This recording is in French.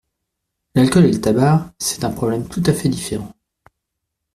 L’alcool et le tabac, c’est un problème tout à fait différent.